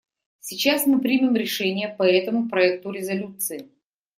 Сейчас мы примем решение по этому проекту резолюции.